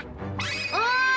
おい！